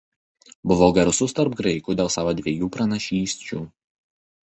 Buvo garsus tarp graikų dėl savo dviejų pranašysčių.